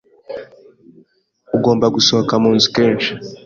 Ugomba gusohoka munzu kenshi.